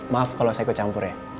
maaf kalau saya kecampur ya